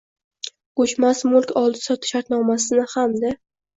ko‘chmas mulk oldi-sotdi shartnomasini hamda